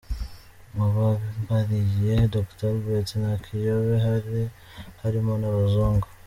Mu bambariye Dr Albert na Kiyobe hari harimo n'abazungu.